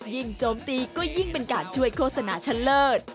โจมตีก็ยิ่งเป็นการช่วยโฆษณาชั้นเลิศ